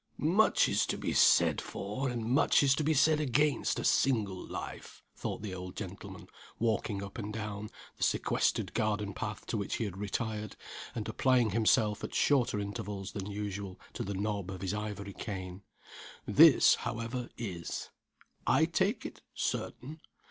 "Much is to be said for, and much is to be said against a single life," thought the old gentleman, walking up and down the sequestered garden path to which he had retired, and applying himself at shorter intervals than usual to the knob of his ivory cane. "This, however, is, I take it, certain.